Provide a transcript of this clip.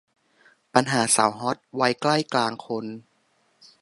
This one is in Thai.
ปัญหาสาวฮอต วัยใกล้กลางคน